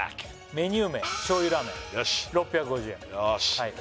メニュー名正油ラーメン６５０円よし！